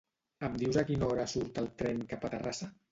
Em dius a quina hora surt el tren cap a Terrassa?